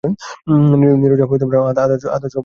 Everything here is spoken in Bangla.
নীরজা আধ-শোওয়া পড়ে আছে রোগ শয্যায়।